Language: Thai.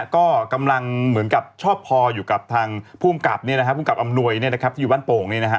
ก็กำลังเหมือนชอบพออยู่ทางพูดกลับอำนวยแบบอยู่ที่บ้านโป่งนี่นะฮะ